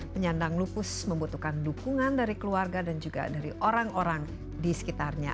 penyandang lupus membutuhkan dukungan dari keluarga dan juga dari orang orang di sekitarnya